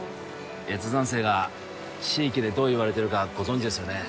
越山生が地域でどう言われてるかご存じですよね